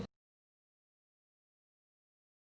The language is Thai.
ตอนนี้ก็ไม่มีเวลามาเที่ยวกับเวลา